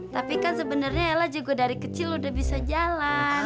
tapi kan sebenarnya ella juga dari kecil udah bisa jalan